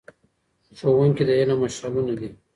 ښوونکي د علم مشعلونه دي.